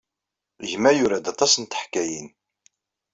Gma yura-d aṭas n teḥkayin.